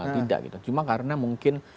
tidak gitu cuma karena mungkin